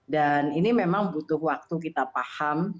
dan ini memang butuh waktu kita paham